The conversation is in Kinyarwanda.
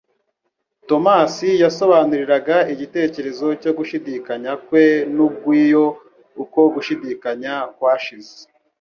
"tomasi yabasobanuriraga igitekerezo cyo gushidikanya kwe n'ubuiyo uko gushidikanya kwashize.